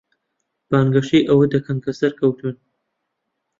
بانگەشەی ئەوە دەکەن کە سەرکەوتوون.